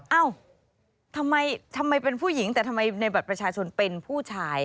เอ้าทำไมเป็นผู้หญิงแต่ทำไมในบัตรประชาชนเป็นผู้ชาย